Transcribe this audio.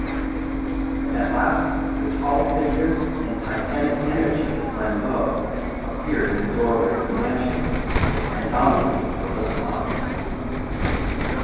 At last the tall figure and titanic energy of Flambeau appeared in the doorway of the mansions and dominated the little mob.